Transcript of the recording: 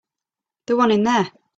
The one in there.